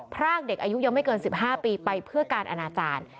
พรากเด็กอายุยังไม่เกิน๑๕ปีไปเพื่อการอนาจารย์